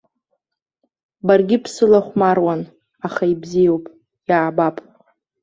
Баргьы бсылахәмаруан, аха ибзиоуп, иаабап.